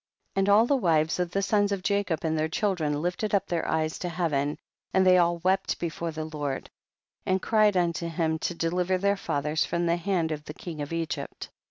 27. And all the wives of the sons of Jacob and their children lifted up their eyes to heaven and they all wept before the Lord, and cried unto him to deliver their fathers from the hand of the king of Egypt.